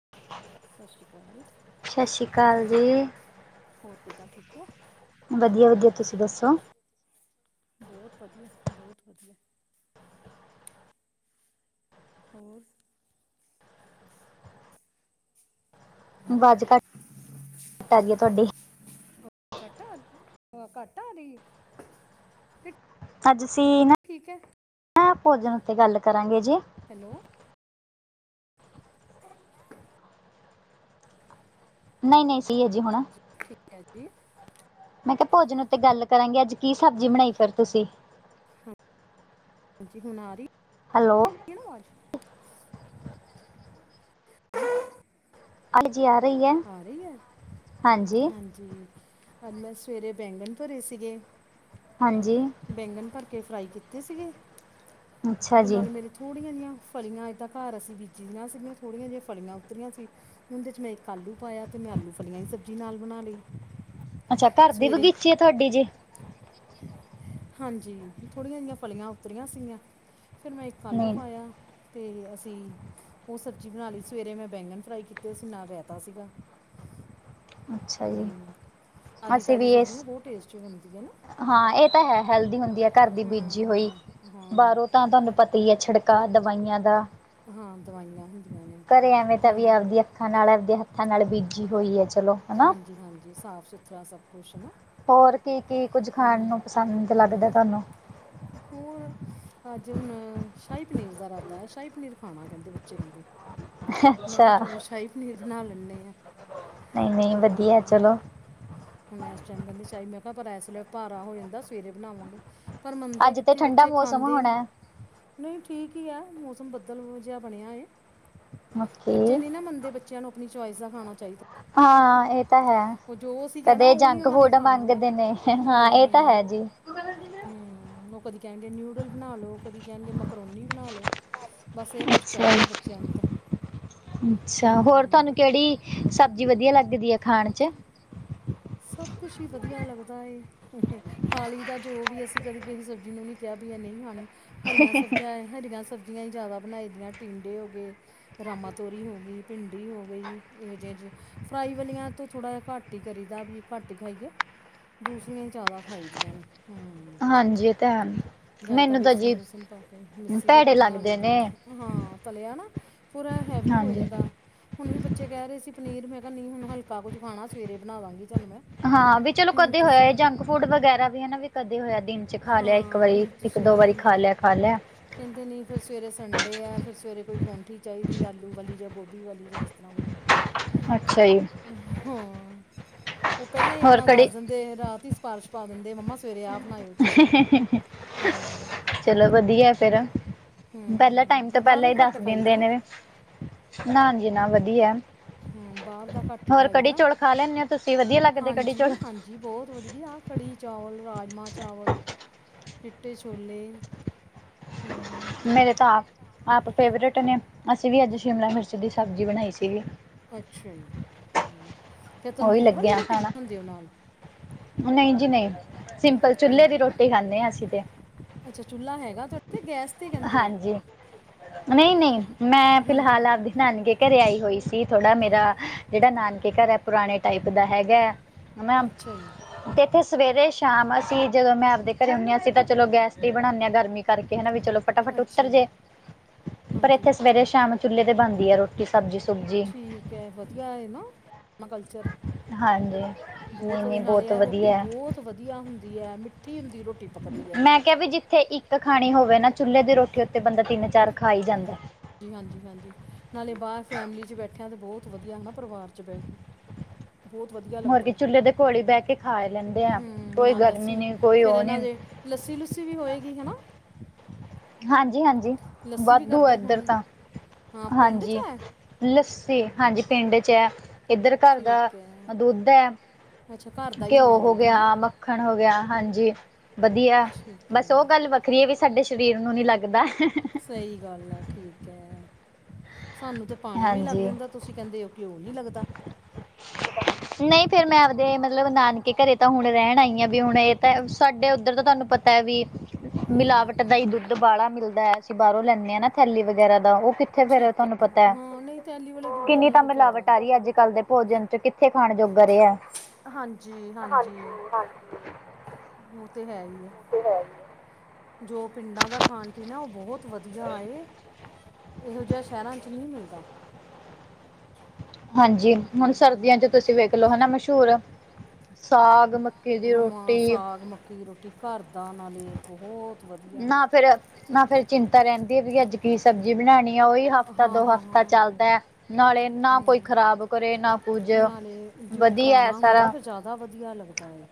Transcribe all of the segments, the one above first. [inaudible] ਸਤਿ ਸ਼੍ਰੀ ਅਕਾਲ ਸਤਿ ਸ਼੍ਰੀ ਅਕਾਲ ਜੀ ਹੋਰ ਕਿੱਦਾਂ ਠੀਕ ਹੈ। ਵਧੀਆ ਵਧੀਆ ਤੁਸੀਂ ਦੱਸੋ? ਬਹੁਤ ਵਧੀਆ ਬਹੁਤ ਵਧੀਆ। ਹੋਰ। ਆਵਾਜ਼ ਘੱਟ ਆ ਰਈ ਤੁਹਾਡੀ ਘੱਟ ਆ ਰਹੀ ਘੱਟ ਆ ਆਈ। ਅੱਜ ਅਸੀਂ ਨਾ। ਠੀਕ ਹੈ। ਆਂ ਭੋਜਨ ਉੱਤੇ ਗੱਲ ਕਰਾਂਗੇ ਜੀ। ਹੈਲੋ। ਨਹੀਂ ਨਹੀਂ ਸੀ ਹੈ ਜੀ ਹੁਣ। ਠੀਕ ਹੈ ਜੀ। ਮੈਂ ਕਿਹਾ ਭੋਜਨ ਉੱਤੇ ਗੱਲ ਕਰਾਂਗੇ ਅੱਜ ਕੀ ਸਬਜ਼ੀ ਬਣਾਈ ਫਿਰ ਤੁਸੀਂ? ਹਾਂਜੀ ਹੁਣ ਆ ਰਹੀ। ਹੈਲੋ। ਕਿਨੂੰ ਆਵਾਜ਼। ਹਾਂਜੀ ਆ ਰਹੀ ਹੈ। ਆ ਰਹੀ ਹੈ ਹਾਂਜੀ ਹਾਂਜੀ ਅੱਜ ਮੈਂ ਸਵੇਰੇ ਬੈਂਗਣ ਭਰੇ ਸੀਗੇ। ਹਾਂਜੀ। ਬੈਂਗਣ ਭਰ ਕੇ ਫਰਾਈ ਕੀਤੇ ਸੀਗੇ ਅੱਛਾ ਅਤੇ ਜੀ ਨਾਲੇ ਮੇਰੀ ਥੋੜ੍ਹੀਆਂ ਜਹੀਆਂ। ਫਲੀਆਂ ਇਏਦਾਂ ਘਰ ਅਸੀਂ ਬੀਜੀ ਦੀ ਨਾ ਸੀਗੀਆਂ ਥੋੜੀਆਂ ਜਿਹੀ ਫਲੀਆਂ ਉੱਤਰਰੀਆਂ ਸੀ। ਉਹਦੇ ਚ ਮੈਂ ਇੱਕ ਆਲੂ ਪਾਇਆ ਤੇ ਮੈਂ ਆਲੂ ਫਲੀਆਂ ਹੀ ਸਬਜ਼ੀ ਨਾਲ ਬਣਾ ਲਈ। ਅੱਛਾ ਘਰ ਦੀ ਸਵੇਰੇ ਬਗੀਚੀ ਹੈ ਤੁਹਾਡੀ ਜੇ ਹਾਂਜੀ ਥੋੜ੍ਹੀਆਂ ਜਿਹੀਆਂ ਫਲੀਆਂ ਉੱਤਰੀਆਂ ਸੀਗੀਆਂ ਫੇਿਰ ਮੈਂ ਇੱਕ ਆਲੂ ਨਹੀਂ ਪਾਇਆ ਤੇ ਅਸੀਂ ਉਹ ਸਬਜ਼ੀ ਬਣਾ ਲਈ ਸਵੇਰੇ ਮੈਂ ਬੈਂਗਨ ਫਰਾਈ ਕੀਤੇ ਅਸੀਂ ਨਾ ਰੈਤਾ ਸੀਗਾ। ਅੱਛਾ ਜੀ ਹੂੰ ਤਾਜ਼ੀ ਅਸੀਂ ਤਾਜ਼ੀ ਵੀ ਇਸ ਸਬਜ਼ੀ ਨਾ ਬਹੁਤ ਟੇਸਟੀ ਬਣਦੀ ਹੈ ਨਾ ਹਾਂ ਇਹ ਤਾਂ ਹੈ ਹੈਲਦੀ ਹੁੰਦੀ ਹੈ ਘਰ ਦੀ ਬੀਜੀ ਹੋਈ ਹਾਂ ਬਾਹਰੋਂ ਹਾਂ ਤਾਂ ਤੁਹਾਨੂੰ ਪਤਾ ਹੀ ਹੈ ਛਿੜਕਾਅ ਦਵਾਈਆਂ ਦਾ ਹਾਂ ਦਵਾਈਆਂ ਹੁੰਦੀਆਂ ਨੇ ਘਰੇ ਐਵੇਂ ਤਾਂ ਵੀ ਹੁਣ ਆਪਦੀ ਅੱਖਾਂ ਨਾਲ ਆਪਦੇ ਹੱਥਾਂ ਨਾਲ ਬੀਜੀ ਹੋਈ ਹੈ ਚਲੋ ਹਨਾ ਜੀ ਸਾਫ਼ ਸੁਥਰਾ ਸਭ ਕੁਛ ਹਨਾ ਹੋਰ ਕੀ ਕੀ ਕੁੱਝ ਖਾਣ ਨੂੰ ਪਸੰਦ ਲੱਗਦਾ ਤੁਹਾਨੂੰ ਹੋਰ ਅੱਜ ਹੁਣ ਸ਼ਾਹੀ ਪਨੀਰ ਦਾ ਇਰਾਦਾ ਹੈ ਸ਼ਾਹੀ ਪਨੀਰ ਖਾਣਾ ਕਹਿੰਦੇ ਬੱਚੇ ਕਹਿੰਦੇ ਮੈਂ ਕਿਹਾ ਅੱਛਾ ਚਲੋ ਸ਼ਾਹੀ ਪਨੀਰ ਬਣਾ ਲੈਂ ਨੇ ਆ। ਨਹੀਂ ਨਹੀਂ ਵਧੀਆ ਚਲੋ। ਹੁਣ ਇਸ ਟਾਈਮ ਕਹਿੰਦੀ ਸ਼ਹੀ ਮੈਂ ਕਿਹਾ ਪਰ ਇਸੇਲੇ ਭਾਰਾ ਹੋ ਜਾਂਦਾ ਸਵੇਰੇ ਬਣਾਵਾਂਗੇ। ਪਰ ਮੰਨਦੇ ਅੱਜ ਤੇ ਕਿੱਥੇ ਠੰਡਾ ਬੱਚੇ ਮੌਸਮ ਖਾਂਦੇ ਨ ਹੋਣਾ ਨਹੀਂ ਠੀਕ ਹੀ ਆ ਮੌਸਮ ਬਦਲ ਜਿਹਾ ਬਣਿਆ ਓਕੇ ਬੱਚੇ ਨਹੀਂ ਨਾ ਮੰਨਦੇ ਬੱਚੇ ਬੱਚਿਆਂ ਨੂੰ ਆਪਣੀ ਚੋਇਸ ਦਾਖਾਣਾ ਚਾਹੀਦਾ ਹਾਂ ਇਹ ਤਾਂ ਹੈ ਉਹ ਜੋ ਅਸੀਂ ਕਹਿਣਾ ਕਦੇ ਉਹ ਨੀ ਜੰਕ ਉਹਨਾ ਨੇ ਫੂਡ ਖਾਣਾ ਨਾ ਮੰਗਦੇ ਨੇ ਹਾਂ ਇਹ ਤਾਂ ਹੈ ਹਮ। ਜੀ ਹਮ ਉਹ ਕਦੀ ਕਹਿਣਗੇ ਨਿਊਡਲ ਬਣਾ ਲਉ ਕਦੀ ਕਹਿਣਗੇ ਮਕਰੋਨੀ ਬਣਾ ਲਉ। ਬਸ ਇਹ ਕੁੱਛ ਅੱਛਾ ਜੀ ਚਾਹੀਦਾ ਬੱਚਿਆਂ ਨੂੰ ਤਾਂ ਅੱਛਾ ਹੋਰ ਤੁਹਾਨੂੰ ਹੂੰ ਕਿਹੜੀ ਸਬਜ਼ੀ ਵਧੀਆ ਲੱਗਦੀ ਹੈ ਖਾਣ ਚ। ਸਭ ਕੁਛ ਹੀ ਵਧੀਆ ਲੱਗਦਾ ਏ। ਖਾਲੀ ਦਾ ਜੋ ਵੀ ਅਸੀਂ ਕਦੇ ਕਿਸੇ ਸਬਜ਼ੀ ਨੂੰ ਨਹੀਂ ਕਿਹਾ ਵੀ ਇਹ ਨਹੀਂ ਖਾਣੀ ਹਰੀਆਂ ਸਬਜੀਆਂ ਹਰੀਆਂ ਸਬਜ਼ੀਆਂ ਹੀ ਜ਼ਿਆਦਾ ਬਣਾਈ ਦੀਆਂ ਟੀਂਡੇ ਹੋ ਗਏ। ਰਮਾਂ ਤੋਰੀ ਹੋ ਗਈ ਭਿੰਡੀ ਹੋ ਗਈ ਇਹੋ ਜਿਹੇ ਜਿਹੇ ਫਰਾਈ ਵਾਲੀਆਂ ਤੋਂ ਥੋੜ੍ਹਾ ਜਿਹਾ ਘੱਟ ਘਟੀ ਕਰੀ ਦਾ ਵੀ ਘੱਟ ਹੀ ਖਾਈਏ ਦੂਸਰੀਆਂ ਹੀ ਜ਼ਿਆਦਾ ਖਾਈ ਦੀਆਂ ਨੇ। ਹੂੰ ਹਾਂਜੀ ਤੇ ਹੈ। ਜਾਂ ਇਦਾਂ ਮੈਨੂੰ ਤਾਂ ਬੇਸਣ ਜੀ ਵੂਸਨ ਪਾ ਕੇ ਮਿੱਸੀ ਰੋਟੀ ਭੈੜੇ ਬਣਾ ਲੱਗਦੇ ਲਈਦੀ ਨੇ ਹੈ। ਹਾਂ ਤਲਿਆ ਨਾ ਪੂਰਾ ਹੈਵੀ ਹੋ ਹਾਂਜੀ ਜਾਂਦਾ। ਹੁਣ ਵੀ ਬੱਚੇ ਕਹਿ ਰਹੇ ਸੀ ਪਨੀਰ ਮੈਂ ਕਿਹਾ ਨੀ ਹੁਣ ਹਲਕਾ ਕੁੱ ਖਾਣਾ ਸਵੇਰੇ ਬਣਾ ਦਾਂਗੀ ਤੁਹਾਨੂੰ ਮੈਂ ਹਾਂ ਵੀ ਚਲੋ ਹੁਣ ਕਦੇ ਤੁਸੀਂ ਹੋਇਆ ਜੰਕ ਫੂਡ ਵਗੈਰਾ ਵੀ ਹਨਾ ਵੀ ਕਦੇ ਹੋਇਆ ਦਿਨ ਚ ਖਾ ਹਾਂ ਲਿਆ ਇੱਕ ਵਾਰੀ। ਹੁਣ ਇੱਕ ਤੁਸੀਂ ਦੋ ਵਾਰੀ ਰਹਿਣ ਖਾ ਦਿਉ ਲਿਆ ਖਾ ਲਿਆ। ਕਹਿੰਦੇ ਨਹੀਂ ਫਿਰ ਸਵੇਰੇ ਸੰਡੇ ਆ ਫਿਰ ਸਵੇਰੇ ਕੋਈ ਪਰੌਂਠੀ ਚਾਹੀਦੀ ਆਲੂ ਵਾਲੀ ਜਾਂ ਗੋਭੀ ਵਾਲੀ ਜਾਂ ਇਤ੍ਹਾਂ ਕੋਈ ਅੱਛਾ ਜੀ ਹਾਂ ਉਹ ਪਹਿਲਾਂ ਹੀ ਹੋਰ ਆਪਣਾ ਕੜੀ ਦੱਸ ਦਿੰਦੇ ਰਾਤ ਹੀ ਸਿਫਾਰਸ਼ ਪਾ ਦਿੰਦੇ ਮੰਮਾ ਸਵੇਰੇ ਆਪ ਚਲੋ ਵਧੀਆ ਫੇਰ। ਪਹਿਲਾ ਟਾਈਮ ਤੋਂ ਹੂੰ ਪਹਿਲਾਂ ਬਾਹਰੋਂ ਹੀ ਘੱਟ ਦੱਸ ਖਾਈਦਾ ਦਿਨਦੇ ਨਾ ਨੇ ਨਾ ਜ ਨਾ ਵਧੀਆ। ਹੂੰ ਬਾਹਰ ਦਾ ਘੱਟ ਹੀ ਹੋਰ ਕੜੀ ਖਾਈਦਾ ਚੋਲ ਖਾ ਲੈਂਦੇ ਹੋ ਤੁਸੀਂ ਵਧੀਆ ਲੱਗਦੇ ਕੜੀ ਚੋਲ ਜੀ ਬਹੁਤ ਵਧੀਆ ਕੜੀ ਚਾਵਲ ਰਾਜਮਾਂ ਚਾਵਲ ਚਿੱਟੇ ਛੋਲੇ ਹਮ। ਮੇਰੇ ਤਾਂ ਆਪ ਆਪ ਫੇਵਰੇਟ ਨੇ ਅਸੀਂ ਵੀ ਅੱਜ ਸ਼ਿਮਲਾ ਮਿਰਚ ਦੀ ਸਬਜ਼ੀ ਬਣਾਈ ਸੀਗੀ। ਅੱਛਾ ਜੀ ਹ ਫਿਰ ਉਹੀ ਤੰਦੂਰ ਵਾਲੀ ਲੱਗਿਆ ਰੋਟੀ ਖਾਣਾ ਬਣਾਉਂਦੇ ਹੋ ਨਾਲ ਨਹੀਂ ਜੀ ਨਹੀਂ ਸਿੰਪਲ ਚੁੱਲੇ ਦੀ ਹਾਂਜੀ ਰੋਟੀ ਖਾਂਦੇ ਹਾਂ ਅਸੀਂ ਤੇ, ਅੱਛਾ ਚੁੱਲ੍ਹਾ ਹੈਗਾ ਥੋੜਾ ਗੈਸ 'ਤੇ ਕਹਿੰਦੇ ਹੋ ਹਾਂਜੀ ਨਹੀਂ-ਨਹੀਂ ਮੈਂ ਹਾਂਜੀ ਫਿਲਹਾਲ ਆਪਦੀ ਨਾਨਕੇ ਘਰੇ ਆਈ ਹੋਈ ਸੀ। ਥੋੜ੍ਹਾ ਮੇਰਾ ਜਿਹੜਾ ਨਾਨਕੇ ਘਰ ਹੈ, ਪੁਰਾਣੇ ਟਾਈਪ ਦਾ ਹੈਗਾ ਹਨ। ਅੱਛਾ ਜੀ ਤੇ ਇੱਥੇ ਸਵੇਰੇ ਸ਼ਾਮ ਅਸੀਂ ਜਦੋਂ ਮੈਂ ਆਪਦੇ ਘਰੇ ਹੁੰਦੇ ਸੀ, ਤਾਂ ਚਲੋ ਗੈਸ ਤੇ ਬਣਾਉਂਦੇ ਹਾਂ ਗਰਮੀ ਕਰਕੇ ਵੀ ਚਲੋ, ਫਟਾਫਟ ਉਤਰ ਅੱਛਾ ਜੀ ਜੇ ਪਰ ਹਾਂਜੀ ਇੱਥੇ ਸਵੇਰੇ ਸ਼ਾਮ ਚੁੱਲੇ ਤੇ ਬਣਦੀ ਹੈ ਰੋਟੀ ਸਬਜ਼ੀ ਸੁਬਜੀ ਠੀਕ ਹੈ ਵਧੀਆ ਹੈ ਨਾ, ਕਲਚਰ ਹਾਂਜੀ ਨਹੀਂ ਬਹੁਤ ਵਧੀਆ ਨਹੀਂ ਨਾਲ ਹੈ, ਰੋਟੀ ਵਧੀਆ ਹੈ ਬਹੁਤ ਵਧੀਆ ਹੁੰਦੀ ਹੈ, ਮਿੱਠੀ ਹੁੰਦੀ ਰੋਟੀ ਪੱਕਦੀ ਹੈ ਮੈਂ ਕਿਹਾ ਵੀ ਜਿੱਥੇ ਇੱਕ ਖਾਣੀ ਹੋਵੇ, ਨਾ ਚੁੱਲੇ ਦੀ ਰੋਟੀ ਉੱਤੇ ਬੰਦਾ ਤਿੰਨ ਚਾਰ ਖਾ ਹੀ ਜਾਂਦਾ। ਹਾਂਜੀ-ਹਾਂਜੀ, ਨਾਲੇ ਬਾਹਰ ਫੈਮਿਲੀ ਚ ਬੈਠਿਆਂ ਤੇ ਬਹੁਤ ਵਧੀਆ ਹਨਾ ਪਰਿਵਾਰ ਚ ਬਹਿ ਕੇ। ਬਹੁਤ ਵਧੀਆ ਹੋਰ ਕੀ ਲੱਗਦਾ ਚੁੱਲ੍ਹੇ ਦੇ ਕੋਲ ਹੀ ਬਹਿ ਕੇ ਖਾ ਲੈਂਦੇ ਆ ਹੂੰ, ਕੋਈ ਨਾਲ ਗਰਮੀ ਲੱਸੀ ਵੀ ਨਹੀਂ ਕੋਈ ਫੇਰ ਉਹ ਇਹਨਾਂ ਨਹੀਂ ਦੇ ਲੱਸੀ ਲੁੱਸੀ ਵੀ ਹੋਏਗੀ ਹੈ ਨਾ। ਹਾਂਜੀ-ਹਾਂਜੀ, ਲੱਸੀ ਵੀ ਵਾਧੂ ਆ ਕਰਦੇ ਇੱਧਰ ਹੋਣੇ ਤਾਂ ਹਾਂ, ਪਿੰਡ 'ਚ ਹਾਂਜੀ ਹੈ। ਲੱਸੀ ਹਾਂਜੀ, ਪਿੰਡ ਚ ਹੈ ਇੱਧਰ ਘਰ ਦਾ ਠੀਕ ਹੈ ਦੁੱਧ ਹੈ। ਅੱਛਾ ਘਰ ਦਾ ਹੀ ਘਿਓ ਹੋਣਾ ਹੋ ਦੁੱਧ ਹਨਾ ਗਿਆ, ਮੱਖਣ ਹੋ ਗਿਆ, ਹਾਂਜੀ। ਵਧੀਆ ਠੀਕ ਹੈ ਬਸ ਉਹ ਗੱਲ ਵੱਖਰੀ ਹੈ, ਵੀ ਸਾਡੇ ਸਰੀਰ ਨੂੰ ਨੀ ਲੱਗਦਾ। ਸਹੀ ਗੱਲ ਹੈ, ਠੀਕ ਹੈ ਸਾਨੂੰ ਤਾਂ ਪਾਣੀ ਵੀ ਲੱਗ ਹਾਂਜੀ ਜਾਂਦਾ। ਤੁਸੀਂ ਕਹਿੰਦੇ ਹੋ ਘਿਓ ਨੀ ਲੱਗਦਾ। [unintelligible] ਨਹੀਂ ਫੇਰ ਮੈਂ ਆਪਦੇ ਮਤਲਬ, ਨਾਨਕੇ ਘਰੇ ਤਾਂ ਹੁਣ ਰਹਿਣ ਆਈ ਹਾਂ ਵੀ ਹੁਣ, ਇਹ ਤਾਂ ਸਾਡੇ ਉੱਧਰ ਤਾਂ ਤੁਹਾਨੂੰ ਪਤਾ। ਵੀ ਹੂੰ ਮਿਲਾਵਟ ਦਾ ਹੀ ਦੁੱਧ ਬਾਹਲਾ ਮਿਲਦਾ ਹੈ, ਅਸੀਂ ਬਾਹਰੋਂ ਲੈਂਦੇ। ਨਾ ਥੈਲੀ ਵਗੈਰਾ ਦਾ ਉਹ ਕਿੱਥੇ ਫੇਰ ਠੀਕ ਤੁਹਾਨੂੰ ਪਤਾ ਹੈ, ਹਾਂ ਨਹੀਂ ਤੈਲੀ ਵਾਲੇ ਦੁੱਧ ਦਾ ਕਿੰਨੀ ਨਹੀਂ ਤਾਂ ਕੋਈ ਫਾਇਦਾ ਮਿਲਾਵਟ ਆ ਰਹੀ ਹੈ, ਅੱਜ ਕੱਲ ਦੇ ਭੋਜਨ ਚ ਕਿੱਥੇ ਖਾਣ ਜੋਗਾ ਰਿਹਾ। ਹਾਂਜੀ-ਹਾਂਜੀ, ਹਾਂ ਉਹ ਤੇ ਹੈ, ਹੀ ਆ। ਤੇ, ਜੋ ਪਿੰਡਾਂ ਦਾ ਖਾਣ ਪੀਣ ਹੈ, ਉਹ ਬਹੁਤ ਵਧੀਆ ਏ ਇਹੋ ਜਿਹਾ ਸ਼ਹਿਰਾਂ 'ਚ ਨਹੀਂ ਮਿਲਦਾ। ਹਾਂਜੀ ਹੁਣ ਸਰਦੀਆਂ ਚ ਤੁਸੀਂ ਵੇਖ ਲੋ ਹਨਾ, ਮਸ਼ਹੂਰ ਸਾਗ ਮ ਹਮਾਂ ਸਾਗ, ਮੱਕੀ ਦੀ ਰੋਟੀ ਘਰ ਦਾ ਨਾਲੇ ਬਹੁਤ ਵਧੀਆ। ਨਾ ਫੇਰ ਨਾ ਫੇਰ ਚਿੰਤਾ ਰਹਿੰਦੀ ਹੈ ਵੀ ਅੱਜ ਕੀ ਸਬਜ਼ੀ ਬਣਾਉਣੀ ਆ ਉਹੀ ਹਫ਼ਤਾ ਹਾਂ ਦੋ ਹਾਂ ਹਾਂ ਹਫ਼ਤਾ ਚੱਲਦਾ ਹੈ, ਨਾਲੇ ਨਾ ਕੋਈ ਹਮ, ਖ਼ਰਾਬ। ਕਰੇ ਨਾ ਕੁਝ ਨਾਲੇ ਜਿਉਂ ਵਧੀਆ ਪੁਰਾਣਾ ਹੁੰਦਾ ਸਾਰਾ। ਫਿਰ ਜ਼ਿਆਦਾ ਵਧੀਆ ਲੱਗਦਾ ਏ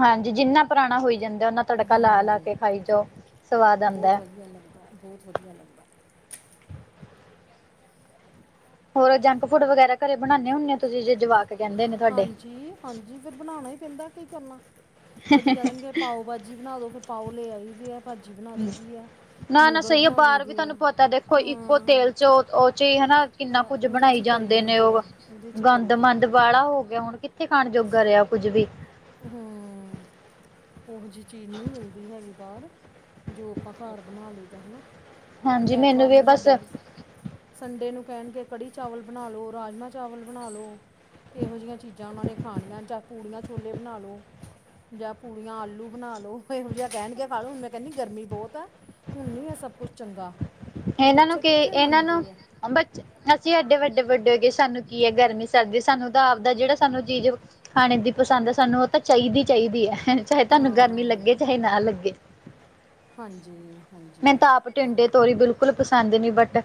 ਹਾਂਜੀ, ਜਿੰਨਾ ਪੁਰਾਣਾ ਹੋਈ ਜਾਂਦਾ ਨਾ ਤੜਕਾ ਲਾ-ਲਾ ਹਮ ਕੇ ਖਾਈ ਜਾਓ। ਸਵਾਦ ਆਉਂਦਾ ਬਹੁਤ ਹੈ। ਵਧੀਆ ਲੱਗਦਾ ਬਹੁਤ ਵਧੀਆ ਲੱਗਦਾ। ਹੋਰ ਜੰਕ ਫੂਡ ਵਗੈਰਾ ਘਰੇ ਬਣਾਉਂਦੇ ਹੁੰਦੇ ਹੋ, ਤੁਸੀਂ ਜੇ ਜਵਾਕ ਕਹਿੰਦੇ ਨੇ ਤੁਹਾਡੇ? ਹਾਂਜੀ ਹਾਂਜੀ ਫੇਰ ਬਣਾਉਣਾ, ਹੀ ਪੈਂਦਾ ਕੀ ਕਰਨਾ ਕਦੇ ਕਹਿ ਦੇਣਗੇ। ਪਾਓ ਭਾਜੀ ਬਣਾ ਦੋ ਫਿਰ ਪਾਓ, ਲੈ ਆਈ ਦੇ ਹੈ ਭਾਜੀ ਬਣਾ ਦਈ ਦੀ। ਨਾ ਨਾ ਨਿਊਡਲ ਸਹੀ ਆ ਬਣਾ ਦਈ ਬਾਹਰ ਵੀ ਦੇ ਹੈ ਤੁਹਾਨੂੰ ਪਤਾ ਦੇਖੋ, ਇੱਕੋ ਹਾਂ ਤੇਲ ਚ ਉਹ ਚ ਹੀ ਹਨਾ, ਕਿੰਨਾ ਹਾਂ, ਕੁੱਝ ਉਹਦੇ 'ਚ ਬਣਾਈ ਹੀ ਜਾਂਦੀ। ਕਰੀ ਦੇ ਨੇ ਜਾਂਦੇ ਆ ਉਹ ਉਹਦੇ 'ਚ ਹੀ ਗੰਦ ਕਰੀ ਮੰੰਦ ਜਾਂਦੇ ਆ ਬਾਲਾ ਹੋ ਗਿਆ, ਹੁਣ ਕਿੱਥੇ ਖਾਣ ਜੋਗਾ ਰਿਹਾ ਕੁੱਝ ਵੀ। ਹੂੰ, ਉਹੋ ਜਿਹੀ ਚੀਜ਼ ਨਹੀਂ ਮਿਲਦੀ ਹੈਗੀ, ਬਾਹਰ ਜੋ ਆਪਾਂ ਘਰ ਬਣਾ ਲਈਦਾ ਹਨਾਂ। ਹਾਂਜੀ ਮੈਨੂੰ ਐਤਵਾਰ ਵੀ ਨੂੰ ਬਸ ਸਾਡੇ। ਸੰਡੇ ਨੂੰ ਕਹਿਣ ਕੇ ਕੜੀ ਚਾਵਲ ਬਣਾ ਲੋ ਰਾਜਮਾਂ ਚਾਵਲ ਬਣਾ ਲੋ। ਇਹੋ ਜਿਹੀਆਂ ਚੀਜ਼ਾਂ ਉਹਨਾਂ ਨੇ ਖਾਣੀਆਂ ਜਾਂ ਪੂੜੀਆਂ ਛੋਲੇ ਬਣਾ ਲਉ। ਜਾਂ ਪੂੜੀਆਂ ਆਲੂ ਬਣਾ ਲੋ ਇਹੋ ਜਿਹਾ ਕਹਿਣਗੇ, ਖਾ ਲੋ ਹੁਣ ਮੈਂ ਕਹਿੰਦੀ ਗਰਮੀ ਬਹੁਤ ਆ। ਹੁਣ ਨੀ ਐ ਸਭ ਕੁਛ ਚੰਗਾ, ਪਰ ਬੱਚੇ ਕਿੱਥੇ ਮੰਨਦੇ ਆ। ਬਚ ਅਸੀਂ ਐਡੇ ਵੱਡੇ-ਵੱਡੇ ਹੋ ਗਏ ਸਾਨੂੰ ਕੀ ਹੈ ਗਰਮੀ ਸਰਦੀ ਸਾਨੂੰ ਤਾਂ ਆਪਦਾ ਜਿਹੜਾ ਸਾਨੂੰ ਚੀਜ਼ ਖਾਣੇ ਦੀ ਪਸੰਦ ਸਾਨੂੰ ਓ ਤਾਂ ਆ ਚਾਹੀਦੀ-ਚਾਹੀਦੀ ਆ ਚਾਏ ਤੁਹਾਨੂੰ ਗਰਮੀ ਹਾਂ ਲੱਗੇ ਚਾਏ ਨਾ ਲੱਗੇ। ਮੈਨੂੰ ਹਾਂਜੀ-ਹਾਂਜੀ। ਤਾਂ ਆਪ ਟਿੰਡੇ, ਤੋਰੀ ਬਿਲਕੁਲ ਪਸੰਦ ਨੀ ਬਟ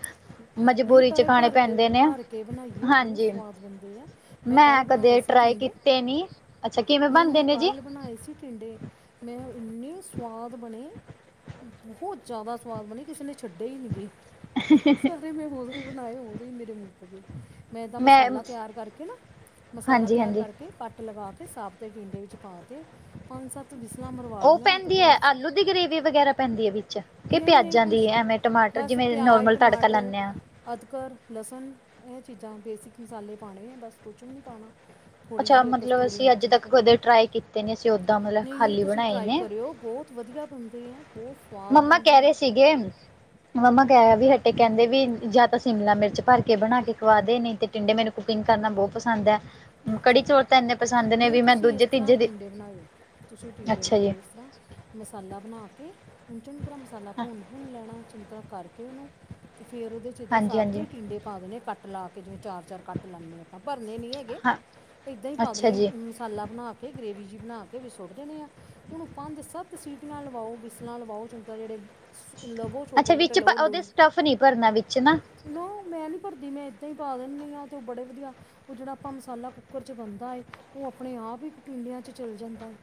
ਨਈ ਮਜਬੂਰੀ ਪਰ ਚ ਏ ਖਾਣੇ ਭਰ ਕੇ, ਭਰ ਕੇ ਪੈਂਦੇ ਨੇ ਭਰ ਕੇ ਬਣਾਈਏ ਬਹੁਤ ਹਾਂਜੀ ਸਵਾਦ ਬਣਦੇ ਆ। ਮੈਂ ਕੱਲ੍ਹ ਬਣਾਏ ਕਦੇ ਸੀ ਟਰਾਈ ਟੀਂਡੇ ਕੀਤੇ ਨੀ ਅੱਛਾ ਕਿਵੇਂ ਨਈ ਬਣਦੇ ਮੈਂ ਨੇ ਜੀ ਕੱਲ ਬਣਾਏ ਸੀ। ਟੀਂਡੇ 'ਮੈਂ ਇੰਨੇ ਸਵਾਦ ਬਣੇ। ਬਹੁਤ ਜਾ਼ਦਾ ਸਵਾਦ ਬਣੀ ਕਿਸੇ ਨੇ ਛੱਡੇ ਈ ਨੀ ਗੇ। ਸਾਰੇ ਮੈਂ ਉਦੋਂ ਹੀ ਬਣਾਏ ਉਦੋਂ ਈ ਮੇਰੇ ਮੂੰਕ ਗਏ। ਮੈਂ ਤਾ ਮਸਾਲਾ ਤਿਆਰ ਕਰਕੇ ਨਾ ਮਸਾਲਾ ਹਾਂਜੀ ਤਿਆਰ ਹਾਂਜੀ ਕਰਕੇ ਕੱਟ ਲਗਾ ਕੇ ਸਾਵਤੇ ਡਿੰਡੇ ਵਿੱਚ ਪਾ ਕੇ ਪੰਜ ਸੱਤ ਬੀਸਲਾਂ ਮਰਵਾ ਉਹ ਲਈਆਂ ਤੇ ਪੈਂਦੀ ਹੈ ਬਸ ਆਲੂ ਦੀ ਗਰੇਵੀ ਵਗੈਰਾ ਪੈਂਦੀ ਹੈ ਵਿੱਚ ਕਿ ਨਹੀਂ? ਪਿਆਜ਼ਾਂ ਦੀ ਐਵੇਂ ਟਮਾਟਰ ਬਸ ਜਿਵੇਂ ਪਿਆਜ, ਨੋਰਮਲ ਤੜਕਾ ਟਮਾਟਰ ਲਾਨੇ ਹਾਂ ਅਦਕਰ, ਲਸਨ ਇਹ ਚੀਜ਼ਾਂ ਬੇਸਿਕ ਮਸਾਲੇ ਪਾਣੇ ਆ ਬਸ ਕੁਛ ਵੀ ਨੀ ਪਾਣਾ ਥੋੜ੍ਹੀ ਅੱਛਾ ਜੀ ਮਤਲਬ ਕਸਤੂਰੀ ਅਸੀਂ ਅੱਜ ਮੇਥੀ ਤੱਕ ਕਦੇ ਟਰਾਈ ਕੀਤੇ ਨੇ ਅਸੀ ਓਦਾ ਨਈ-ਨਈ ਤੁਸੀਂ ਟਰਾਈ ਕਰਿਓ ਬੋਤ ਵਧੀਆ ਬਣਦੇ ਐ, ਬਹੁਤ ਸੁਆਦ ਮੰਮਾ ਕਹਿ ਬਣਦੇ ਰਹੇ ਐ। ਸੀਗੇ ਮੰਮਾ ਕਹਿ ਵੀ ਹਟੇ ਕਹਿੰਦੇ ਵੀ ਜਾਂ ਤਾਂ ਸ਼ਿਮਲਾ ਮਿਰਚ ਭਰ ਕੇ ਬਣਾ ਕੇ ਵਾਦੇ ਨੀ ਤੇ ਟਿੰਡੇ ਮੈਨੂੰ ਕੁਕਿੰਗ ਕਰਨਾ ਬੋ ਪਸੰਦ ਆ। ਅੱਛਾ, ਨਈ ਤੁਸੀਂ ਇਸ ਦੂਜੇ ਤਰ੍ਹਾਂ ਤੀਜੇ ਦੀ ਟਿੰਡੇ ਬਣਾਇਓ। ਤੁਸੀਂ ਟੀਂਡੇ ਅੱਛਾ ਜੀ ਬਣਾਇਉ ਇਸ ਤਰ੍ਹਾਂ, ਮਸਾਲਾ ਬਣਾ ਕੇ ਓਨੂੰ ਚੰਗੀ ਤਰ੍ਹਾਂ ਮਸਾਲਾ ਭੁੰਨ ਭੁੰਨ ਲੈਣਾ ਚੰਗੀ ਤਰ੍ਹਾਂ ਕਰਕੇ ਓਨੂੰ ਤੇ ਫੇਰ ਉਦੇ ਚ ਏਦਾਂ ਹਾਂਜੀ ਸਾਬਤ ਈ ਹਾਂਜੀ ਟਿੰਡੇ ਪਾ ਦੇਣੇ ਕੱਟ ਲਾ ਕੇ ਜਿਵੇਂ ਚਾਰ-ਚਾਰ ਕੱਟ ਲਾਨੇ ਆ ਆਪਾਂ ਭਰਨੇ ਨੀ ਹੈਗੇ ਹਾਂ ਏਦਾਂ ਈ ਪਾ ਅੱਛਾ ਦੇਣੇ ਜੀ ਹ ਮਸਾਲਾ ਬਣਾ ਕੇ ਗ੍ਰੇਵੀ ਜੀ ਬਣਾ ਕੇ ਵਿਚ ਸੁੱਟ ਦੇਣੇ ਆ ਓਨੂੰ ਪੰਜ-ਸੱਤ ਸੀਟੀਆਂ ਲਵਾਓ, ਬਿਸਲਾਂ ਲਵਾਓ ਚੰ ਤਾਂ ਜੇੜੇ ਲਵੋ ਅੱਛਾ ਛੋਟੇ-ਛੋਟੇ ਵਿੱਚ ਲਵੋ, ਉਹਦੇ ਲੋਈ ਸਟੱਫ ਨਹੀਂ ਭਰਨਾ ਵਿੱਚ ਨਾ ਮੈਂ ਨੀ ਭਰਦੀ ਮੈਂ ਇੱਦਾਂ ਈ ਪਾ ਦਿੰਨੀ ਆ ਤੇ ਉਹ ਬੜੇ ਵਧੀਆ ਉਹ ਜਿਹੜਾ ਆਪਾਂ ਮਸਾਲਾ ਕੁੱਕਰ 'ਚ ਬਣਦਾ ਏ ਐ ਆਪਣੇ ਆਪ ਇੱਕ ਟਿੰਡਿਆ 'ਚ ਚੱਲ ਜਾਂਦਾ ਏ।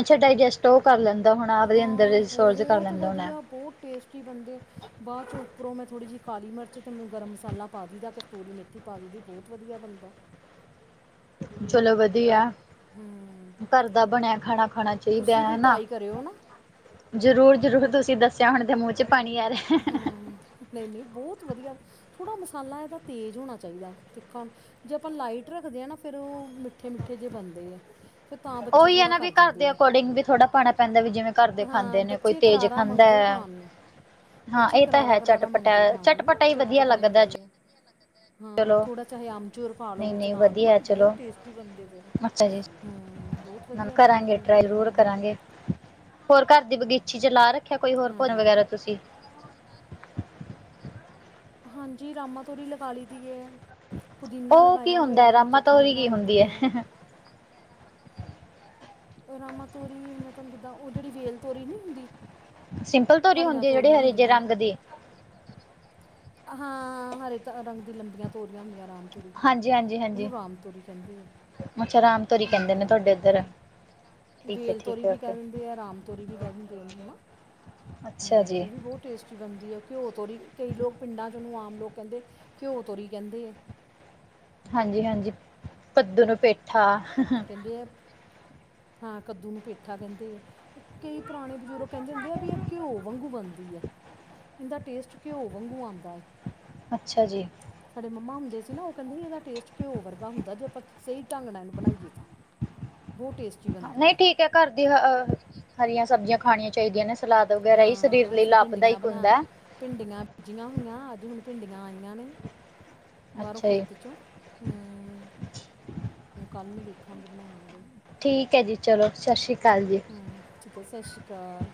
ਅੱਛਾ ਡਾਇਜੈਸਟ ਉਹ ਕਰ ਲੈਂਦਾ ਹੁਣ ਆਪਦੇ ਅੰਦਰ ਹਾਂ ਰਿਸੋਰਸ ਕਰ ਬਹੁਤ ਲੈਂਦਾ ਹੋਣਾ ਵਧੀਆ ਬਹੁਤ ਟੇਸਟੀ ਬਣਦੇ ਬਾਅਦ ਚੋਂ ਉਪਰੋਂ ਮੈਂ ਥੋੜੀ ਜਿਹੀ ਕਾਲੀ ਮਿਰਚ ਤੇ ਮੈ ਗਰਮ ਮਸਾਲਾ ਪਾ ਦਈ ਦਾ ਕਸਤੂਰੀ ਮੇਥੀ ਪਾ ਦਈ ਦੀ ਬਹੁਤ ਵਧੀਆ ਬਨਦਾ। ਚਲੋ ਵਧੀਆ। ਹਾਂ ਘਰ ਦਾ ਬਣਿਆ ਖਾਣਾ ਖਾਣਾ ਚਾਹੀਦਾ ਤੁਸੀਂ ਵੀ ਹਨਾ। ਟਰਾਈ ਕਰਿਓ ਨਾ ਜ਼ਰੂਰ-ਜ਼ਰੂਰ ਤੁਸੀਂ ਦੱਸਿਆ ਹੁਣ ਦੇ ਮੂੰਹ ਚ ਪਾਣੀ ਆ ਰਿਹਾ। ਹਾਂ ਨਈ--ਨਹੀਂ ਬਹੁਤ ਵਧੀਆ ਥੋੜ੍ਹਾ ਮਸਾਲਾ ਇਹਦਾ ਤੇਜ਼ ਹੋਣਾ ਚਾਹੀਦਾ ਤਿੱਕਾ ਜੇ ਆਪਾਂ ਲਾਈਟ ਰੱਖਦੇ ਆ ਨਾ ਫੇਰ ਉਹ ਮਿੱਠੇ-ਮਿੱਠੇ ਜੇ ਬਣਦੇ ਆ। ਫਿਰ ਤਾਂ ਬੱਚੇ ਉਹੀ ਹੈ ਥੋੜਾ ਨਾ ਵੀ ਕਰ ਘਰ ਜਾਂਦੇ ਦੇ ਆ ਅਕੋਰਡਿੰਗ ਵੀ ਥੋੜਾ ਪਾਣਾ ਪੈਂਦਾ ਵੀ ਜਿਵੇਂ ਘਰ ਦੇ ਹਾਂ ਖਾਂਦੇ ਨੇ ਕੋਈ ਬੱਚੇ ਤੇਜ਼ ਕਰਾਰਾ ਖਾਂਦਾ ਮੰਗਦੇ ਹੈ ਖਾਣ ਨੂੰ। ਹਾਂ ਬੱਚੇ ਇਹ ਤਾਂ ਕਰਾਰਾ ਹੈ ਕਰਾਰਾ ਚਟਪਟਾ ਮੰਗਦੇ ਖਾਣ ਨੂੰ ਨਾ ਚਟਪਟਾ ਹੀ ਵਧੀਆ ਚਟਪਟਾ ਲੱਗਦਾ ਮੰਗਦੇ ਆ ਹਾਂ ਚਲੋ ਥੋੜਾ ਚਾਹੇ ਆਮ ਪਾ ਲੋ ਨਹੀਂ ਵਿੱਚ ਨਹੀਂ ਨਾਲ ਹਨਾ ਵਧੀਆ ਬਹੁਤ ਚਲੋ ਟੇਸਟੀ ਬਣਦੇ ਫੇਰ ਅੱਛਾ ਜੀ ਹੂੰ, ਬਹੁਤ ਵਧੀਆ ਕਰਾਂਗੇ ਬੰਦੇ ਆ ਟਰਾਈ ਹੂ ਜ਼ਰੂਰ ਕਰਾਂਗੇ ਹੋਰ ਘਰ ਦੀ ਬਗੀਚੀ ਚ ਲਾ ਰੱਖਿਆ ਕੋਈ ਹੋਰ ਭੁੰਨ ਹਾਂ ਵਗੈਰਾ ਤੁਸੀਂ? [inaudible] ਹਾਂਜੀ ਰਾਮਾ ਤੋਰੀ ਲਗਾ ਲਈ ਦੀਏ। ਪੁਦੀਨਾ ਉਹ ਕੀ ਲਗਾਇਆ ਹੁੰਦਾ ਹੈ ਹੋਇਆ ਰਾਮਾ ਚਟਨੀ ਤੋਰੀ ਕੀ ਬਣਾ ਲਈ ਹੁੰਦੀ ਦੀ ਐ। ਹੈ? ਰਾਮਾ ਤੋਰੀ ਮੈਂ ਤੁਹਾਨੂੰ ਕਿੱਦਾਂ ਓ ਜਿਹੜੀ ਵੇਲ ਤੋਰੀ ਨੀ ਹੁੰਦੀ? ਸਿੰਪਲ ਤੋਰੀ ਹਰੀਆਂ ਹੁੰਦੀ ਆ ਜਿਹੜੇ ਤੋਰੀਆਂ ਹਰੇ ਜੇ ਹੁੰਦੀਆਂ ਰੰਗ ਦੀ? ਹਾਂ ਹਰੇ ਰੰਗ ਦੀ ਲੰਬੀਆਂ ਤੋਰੀਆਂ ਹੁੰਦੀਆਂ ਆਰਾਮ ਰੀ ਹਾਂਜੀ ਹਾਂਜੀ ਹਾਂਜੀ ਉਹਨੂੰ ਰਾਮ ਤੋਰੀ ਕਹਿੰਦੀ ਆ ਅੱਛਾ ਰਾਮ ਤੋਰੀ ਕਹਿੰਦੇ ਨੇ ਹੂੰ ਤੁਹਾਡੇ ਇੱਧਰ। ਠੀਕ ਹੈ ਵੇਲ ਠੀਕ ਤੋਰੀ ਹੈ ਵੀ ਓਕੇ ਕਹਿ ਦਿੰਦੇ ਆ, ਰਾਮ ਤੋਰੀ ਵੀ ਕਹਿ ਦਿੰਦੇ ਨੂੰ ਹਨਾ ਅੱਛਾ ਹਮ ਜੀ ਉਹ ਵੀ ਬਹੁਤ ਟੇਸਟ ਬਣਦੀ ਹੈ ਘਿਓ ਤੋਰੀ ਕਈ ਲੋਕ ਪਿੰਡਾਂ ਚ ਓਨੂੰ ਆਮ ਲੋਕ ਕਹਿੰਦੇ ਘਿਓ ਤੋਰੀ ਕਹਿੰਦੇ ਹਾਂਜੀ- ਹਾਂਜੀ ਪੱਦੂ ਨੂੰ ਪੇਠਾ। ਕਹਿੰਦੇ ਹੈ। ਹਾਂ ਕੱਦੂ ਨੂੰ ਪੇਠਾ ਕਹਿੰਦੇ। ਕਈ ਪੁਰਾਣੇ ਬਜ਼ੁਰਗ ਕਹਿੰਦੇ ਹੁੰਦੇ ਆ। ਵੀ ਇਹ ਘਿਓ ਵਾਂਗੂ ਬਣਦੀ ਹੈ। ਇਹਦਾ ਟੇਸਟ, ਘਿਓ ਵਾਂਗੂ ਆਉਂਦਾ ਹੈ। ਅੱਛਾ ਜੀ। ਸਾਡੇ ਮੰਮਾ ਹੁੰਦੇ ਸੀ ਨਾ, ਉਹ ਕਹਿੰਦੇ ਇਹਦਾ ਟੇਸਟ ਘਿਓ ਵਰਗਾ ਹੁੰਦਾ। ਜੇ ਆਪਾਂ ਸਹੀ ਢੰਗ ਨਾਲ ਇਨੂੰ ਬਣਾਈਏ। [unintelligible] ਟੇਸਟੀ ਬਣਦੀ ਨਹੀਂ ਠੀਕ ਹੈ, ਘਰ ਦੀ ਹ ਹਰੀਆਂ ਸਬਜ਼ੀਆਂ ਖਾਣੀਆਂ ਚਾਹੀਦੀਆਂ ਨੇ। ਸਲਾਦ ਵਗੈਰਾ ਹੀ। ਸਰੀਰ ਹਾਂ ਲਈ ਅਸੀਂ ਭਿੰਡੀਆਂ ਲਾਭਦਾਇਕ ਬਣਾ ਹੁੰਦਾ ਹੈ। ਭਿੰਡੀਆਂ ਬੀਜੀਆਂ ਹੋਈਆਂ। ਅੱਜ ਹੁਣ ਭਿੰਡੀਆਂ ਆਈਆਂ ਨੇ, ਬਾਹਰੋਂ ਅੱਛਾ ਜੀ ਖੇਤ ਚੋਂ ਹੂੰ, ਕੱਲ ਨੂੰ ਵੇਖਾਂਗੇ ਬਣਾਵਾਂਗੇ। ਠੀਕ ਹੈ ਜੀ, ਚਲੋ ਸਤਿ ਸ਼੍ਰੀ ਅਕਾਲ ਜੀ। ਹੂੰ, ਠੀਕ ਹੈ ਸਤਿ ਸ਼੍ਰੀ ਅਕਾਲ।